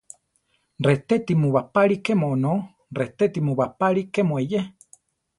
Retéti mu bapáli kemu onó; retéti mu bapáli kemu eyé.